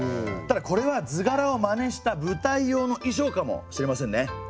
ただこれは図柄をまねした舞台用の衣装かもしれませんね。